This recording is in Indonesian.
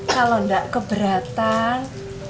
kalo enggak keberatan